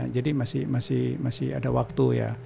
jadi masih ada waktu